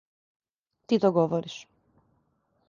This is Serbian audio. Ти то говориш.